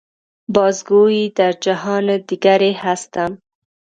باز گوئی در جهان دیگری هستم.